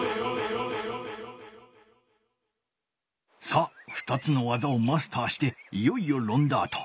さあ２つの技をマスターしていよいよロンダート。